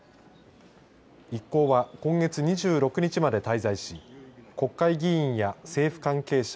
一行は今月２６日まで滞在し国会議員や政府関係者